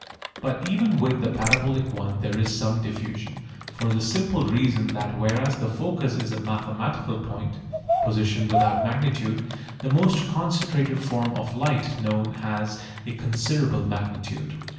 But even with the parabolic one there is some diffusion, for the simple reason that whereas the focus is a mathematical point (position without magnitude) the most concentrated form of light known has a considerable magnitude.